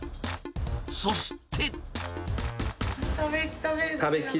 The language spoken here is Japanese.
そして。